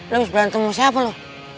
lu abis berantem sama siapa lu